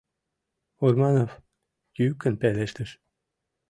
— Урманов йӱкын пелештыш.